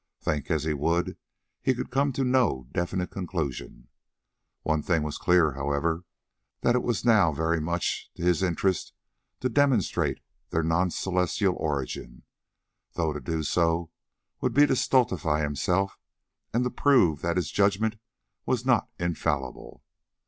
Think as he would, he could come to no definite conclusion. One thing was clear, however, that it was now very much to his interest to demonstrate their non celestial origin, though to do so would be to stultify himself and to prove that his judgment was not infallible.